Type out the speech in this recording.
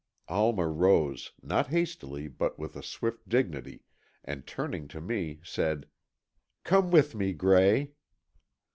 Alma rose, not hastily, but with a sweet dignity, and turning to me, said: "Come with me, Gray."